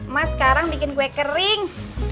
mas sekarang bikin kue kering